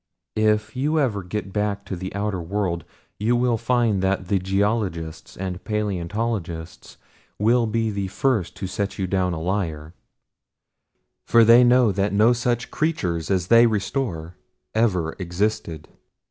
If you ever get back to the outer world you will find that the geologists and paleontologists will be the first to set you down a liar, for they know that no such creatures as they restore ever existed.